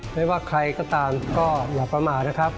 ไม่ว่าใครก็ตามก็อย่าประมาทนะครับ